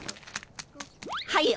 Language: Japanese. はいよ。